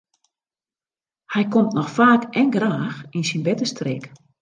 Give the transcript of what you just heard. Hy komt noch faak en graach yn syn bertestreek.